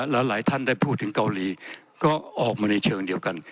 หลายท่านได้พูดถึงเกาหลีก็ออกมาในเชิงเดียวกัน